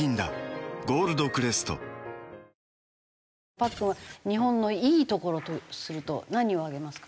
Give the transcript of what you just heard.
パックンは日本のいいところとすると何を挙げますか？